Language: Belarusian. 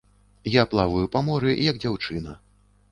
Я плаваю па моры, як дзяўчына.